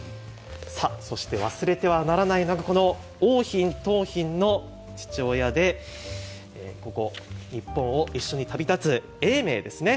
そして忘れてはならないのが桜浜、桃浜の父親でここ日本を一緒に旅立つ永明ですね。